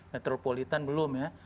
metropolitan belum ya